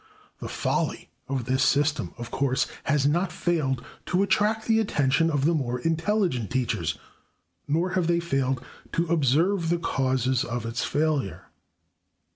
The folly of this system, of course, has not failed to attract the attention of the more intelligent teachers, nor have they failed to observe the causes of its failure.